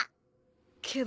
けど。